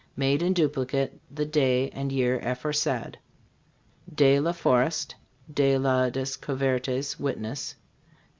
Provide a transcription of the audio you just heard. Made in duplicate the day and year aforesaid. "Ds LA FOREST. DE LA DESCOUVERTES, Witness.